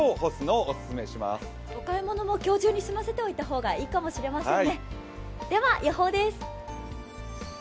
お買い物も今日中に済ませておいた方がいいかもしれませんね。